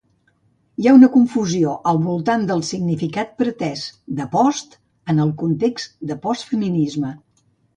Hi ha un confusió al voltant del significat pretès de "post" en el context de "postfeminisme".